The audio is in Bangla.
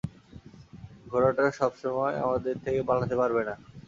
ঘোড়াটা সবসময় আমাদের থেকে পালাতে পারবে না।